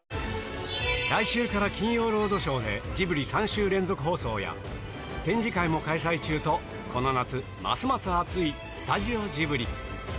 来週から金曜ロードショーでジブリ３週連続放送や、展示会も開催中と、この夏、ますます熱いスタジオジブリ。